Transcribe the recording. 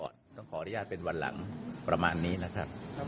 ผมว่าจะต้องขออนุญาตเลื่อนท่านไปก่อนต้องขออนุญาตเป็นวันหลังประมาณนี้นะครับ